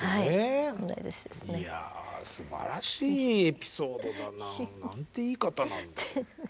いやすばらしいエピソードだな。なんていい方なんだろう。